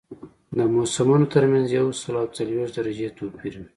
د موسمونو ترمنځ یو سل او څلوېښت درجې توپیر وي